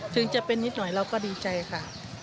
ถึงจะเป็นนิดหน่อยเราก็ดีใจค่ะ